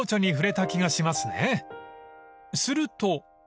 ［すると］